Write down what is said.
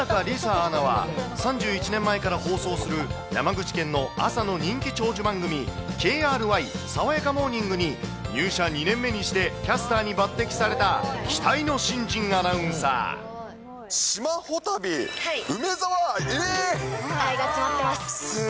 アナは、３１年前から放送する、山口県の朝の人気長寿番組、ＫＲＹさわやかモーニングに入社２年目にしてキャスターに抜てき島ホ旅、梅澤愛、えー。愛が詰まってます。